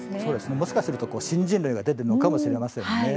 もしかすると新人類が出てきているのかもしれませんね。